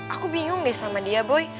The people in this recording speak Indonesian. aku bingung deh sama dia boy